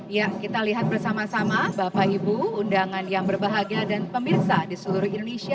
ya kita lihat bersama sama bapak ibu undangan yang berbahagia dan pemirsa di seluruh indonesia